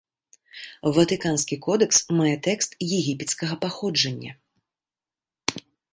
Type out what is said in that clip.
Ватыканскі кодэкс мае тэкст егіпецкага паходжання.